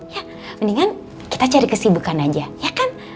ya mendingan kita cari kesibukan aja ya kan